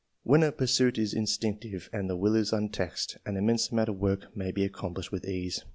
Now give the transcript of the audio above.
When a pursuit is instinctive and the will is untaxed, an immense amount of work may be accomplished with ease.